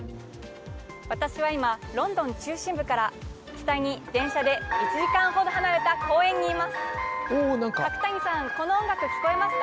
私は今、ロンドン中心部から北に電車で１時間ほど離れた公園にいます。